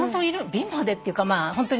貧乏でっていうかホントに。